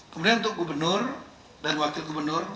kemudian untuk gubernur dan wakil gubernur